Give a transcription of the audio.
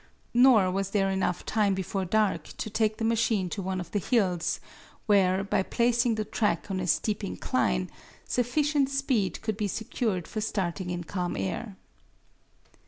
Nor was there enough time before dark to take the machine to one of the hills, where, by placing the track on a steep incline, sufficient speed could be secured for starting in calm air.